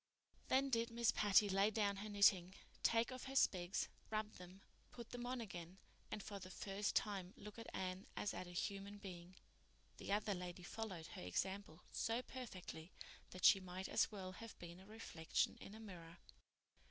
Then did Miss Patty lay down her knitting, take off her specs, rub them, put them on again, and for the first time look at Anne as at a human being. The other lady followed her example so perfectly that she might as well have been a reflection in a mirror.